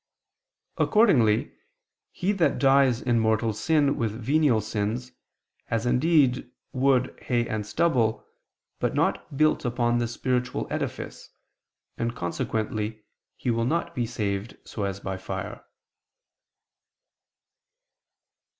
Accordingly, he that dies in mortal sin with venial sins, has indeed wood, hay, and stubble, but not built upon the spiritual edifice; and consequently he will not be saved so as by fire.